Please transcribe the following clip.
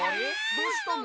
どうしたの？